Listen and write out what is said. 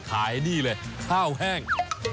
นี่เลยข้าวแห้ง